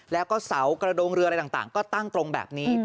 แล้วก็เสากระดงเรืออะไรต่างก็ตั้งตรงแบบนี้